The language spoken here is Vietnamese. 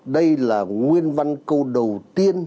đây là nguyên văn câu đầu tiên